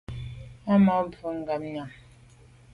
Á ma’ mbwe ngabnyàm.